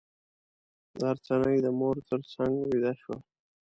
غرڅنۍ د مور تر څنګه ویده شوه.